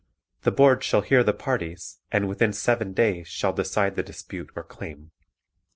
The Board shall hear the parties and within seven (7) days shall decide the dispute or claim.